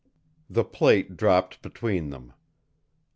The plate dropped between them.